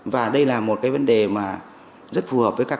và đây là một vấn đề rất vui